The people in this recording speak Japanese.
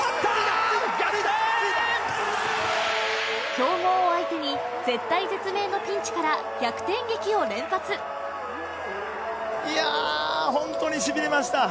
強豪を相手に絶体絶命のピンチから逆転劇を連発いやホントにしびれました